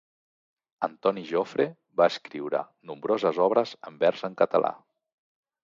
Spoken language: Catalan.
Antoni Jofre va escriure nombroses obres en vers en català.